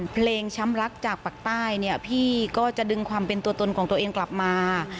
เพลงช้ำรักจากปากใต้เนี่ยพี่ก็จะดึงความเป็นตัวตนของตัวเองกลับมา